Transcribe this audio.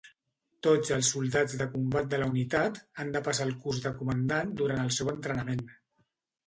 Tots els soldats de combat de la unitat han de passar el curs de comandant durant el seu entrenament.